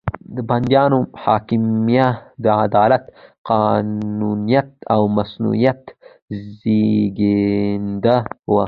د بندیانو محاکمه د عدالت، قانونیت او مصونیت زېږنده وو.